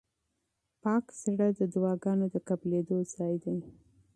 پاک زړه د دعاګانو د قبلېدو ځای دی.